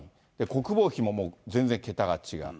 国防費ももう全然桁が違う。